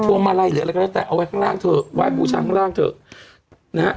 วงมาลัยหรืออะไรก็แล้วแต่เอาไว้ข้างล่างเถอะไหว้บูชาข้างล่างเถอะนะฮะ